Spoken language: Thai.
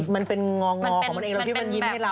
มันเป็นงองอของมันเองแล้วพี่มันยิ้มให้เรา